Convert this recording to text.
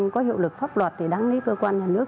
có hiệu lực pháp luật thì đáng lý cơ quan nhà nước